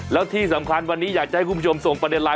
แล้วที่สำคัญวันนี้อยากจะให้คุณผู้ชมส่งประเด็นไลน